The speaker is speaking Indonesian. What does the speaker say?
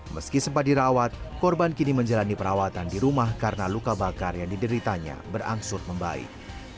meski sempat dirawat korban kini menjalani perawatan di rumah karena luka bakar yang dideritanya berangsur membaik